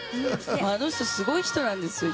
あの人、すごい人なんですよ。